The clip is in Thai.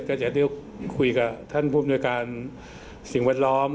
ก็จะคุยกับท่านผู้จัดที่ด้วยกันศิลป์วัดร้อม